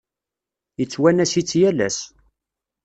Yettwanas-itt yal ass.